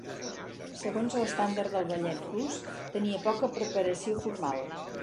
Segons l'estàndard del ballet rus, tenia poca preparació formal.